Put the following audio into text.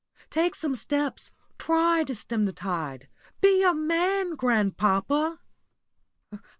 Take some steps; try to stem the tide; be a man, grandpapa!"